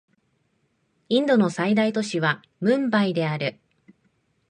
インドの最大都市はムンバイである